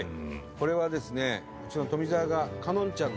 これはですねうちの。